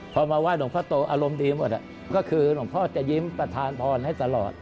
พอมาไห้หลวงพ่อโตอารมณ์ดีหมดก็คือหลวงพ่อจะยิ้มประธานพรให้ตลอด